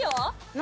何？